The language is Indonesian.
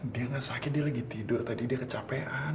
dia gak sakit dia lagi tidur tadi dia kecapean